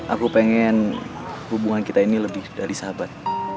aku pengen hubungan kita ini lebih dari sahabat